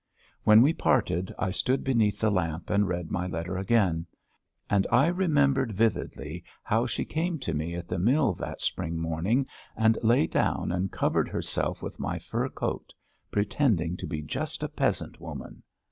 When we parted I stood beneath the lamp and read my letter again. And I remembered vividly how she came to me at the mill that spring morning and lay down and covered herself with my fur coat pretending to be just a peasant woman.